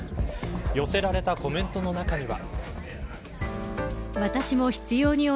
寄せられたコメントの中には。